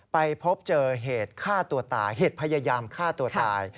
ไปพบเจอเหตุฆ่าตัวตายเหตุพยายามฆ่าตัวตาย